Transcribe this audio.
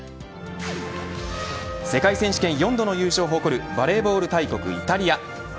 世界選手権４度の優勝を誇るバレーボール大国イタリア。